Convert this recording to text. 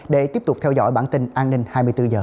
để tiếp tục theo dõi bản tin an ninh hai mươi bốn h